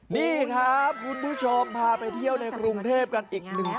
นี่ครับคุณผู้ชมพาไปเที่ยวในกรุงเทพกันอีกหนึ่ง